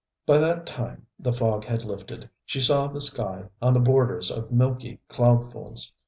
By that time the fog had lifted; she saw the sky on the borders of milky cloudfolds.